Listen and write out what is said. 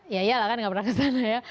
ya iyalah kan nggak pernah ke sana ya